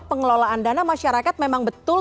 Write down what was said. pengelolaan dana masyarakat memang betul